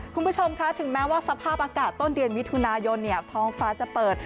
คุณผู้ชมคะถึงแม้ว่าสภาพอากาศต้นเดือนมิถุนายนท้องฟ้าจะเปิด